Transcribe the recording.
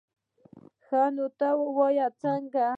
ښه نو تا ويل څنگه.